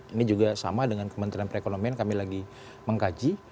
ini juga sama dengan kementerian perekonomian kami lagi mengkaji